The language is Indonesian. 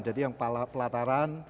jadi yang pelataran